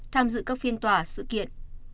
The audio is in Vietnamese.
tham dự các phiên tòa sự kiện